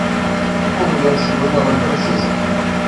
Uma mulher segura uma lâmpada acesa.